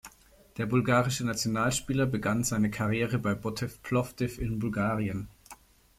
Der bulgarische Nationalspieler begann seine Karriere bei Botew Plowdiw in Bulgarien.